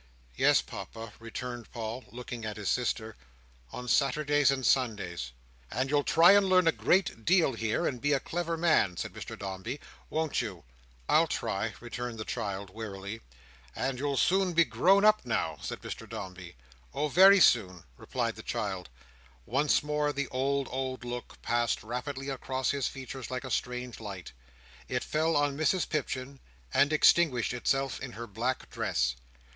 "Yes, Papa," returned Paul: looking at his sister. "On Saturdays and Sundays." "And you'll try and learn a great deal here, and be a clever man," said Mr Dombey; "won't you?" "I'll try," returned the child, wearily. "And you'll soon be grown up now!" said Mr Dombey. "Oh! very soon!" replied the child. Once more the old, old look passed rapidly across his features like a strange light. It fell on Mrs Pipchin, and extinguished itself in her black dress.